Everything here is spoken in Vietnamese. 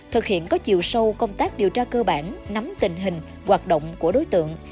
thực hiện có chiều sâu công tác điều tra cơ bản nắm tình hình hoạt động của đối tượng